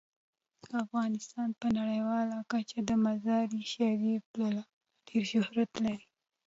افغانستان په نړیواله کچه د مزارشریف له امله ډیر شهرت لري.